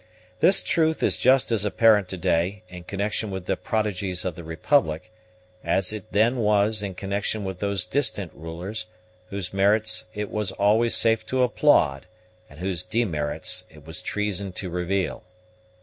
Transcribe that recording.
This truth is just as apparent to day, in connection with the prodigies of the republic, as it then was in connection with those distant rulers, whose merits it was always safe to applaud, and whose demerits it was treason to reveal.